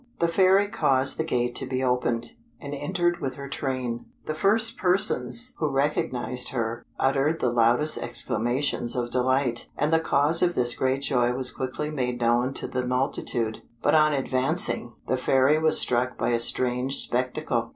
The Fairy caused the gate to be opened, and entered with her train. The first persons who recognised her, uttered the loudest exclamations of delight, and the cause of this great joy was quickly made known to the multitude. But on advancing, the Fairy was struck by a strange spectacle.